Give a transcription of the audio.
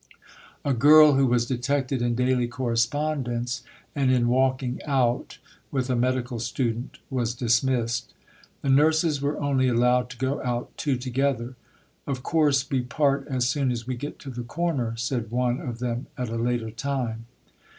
A girl who was detected in daily correspondence, and in "walking out," with a medical student was dismissed. The nurses were only allowed to go out two together. "Of course we part as soon as we get to the corner," said one of them at a later time.